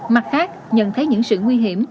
mặt khác nhận thấy những sự nguy hiểm